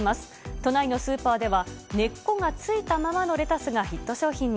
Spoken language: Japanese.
都内のスーパーでは、根っこが付いたままのレタスがヒット商品に。